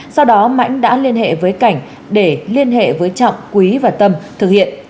sau đó mãnh đã liên hệ với cảnh để liên hệ với trọng quý và tâm thực hiện